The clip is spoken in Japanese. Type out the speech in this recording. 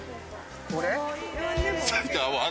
これ？